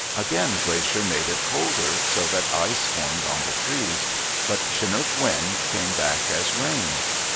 Again Glacier made it colder, so that ice formed on the trees; but Chinook Wind came back as rain.